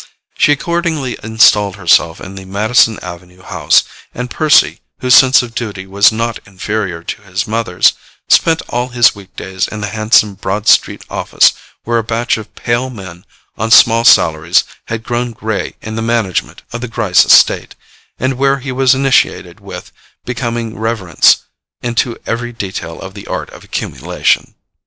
She accordingly installed herself in the Madison Avenue house, and Percy, whose sense of duty was not inferior to his mother's, spent all his week days in the handsome Broad Street office where a batch of pale men on small salaries had grown grey in the management of the Gryce estate, and where he was initiated with becoming reverence into every detail of the art of accumulation.